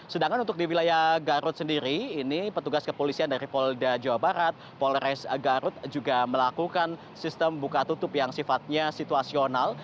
sedangkan untuk di wilayah garut sendiri ini petugas kepolisian dari polda jawa barat polres garut juga melakukan sistem buka tutup yang sifatnya situasional